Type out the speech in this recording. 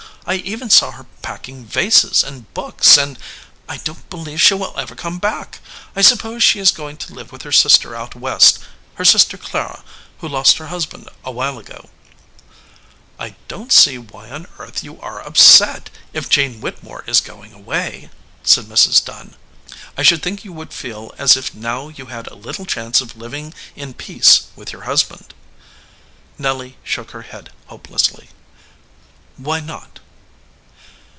I even saw her packing vases and books, and I don t believe she will ever come back! I suppose she is going to live with her sister out West her sister Clara, who lost her husband awhile ago." 207 EDGEWATER PEOPLE "I don t see why on earth you are upset, if Jane Whittemore is going away," said Mrs. Dunn. "I should think you would feel as if now you had a little chance of living in peace with your hus band." Nelly shook her head hopelessly. "Why not?"